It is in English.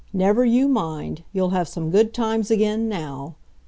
Never you mind, you'll have some good times again, now."